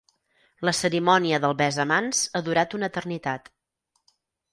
La cerimònia del besamans ha durat una eternitat.